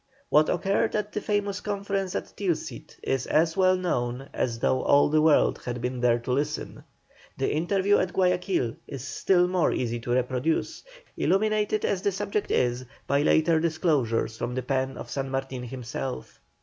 What occurred at the famous conference at Tilsit is as well known as though all the world had been there to listen; the interview at Guayaquil is still more easy to reproduce, illuminated as the subject is by later disclosures from the pen of San Martin himself.